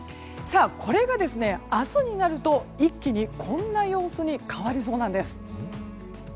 これが、明日になると一気にこんな様子に変わりそうなんです。